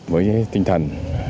với tinh thần